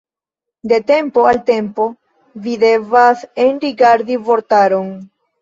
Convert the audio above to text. De tempo al tempo vi devas enrigardi vortaron.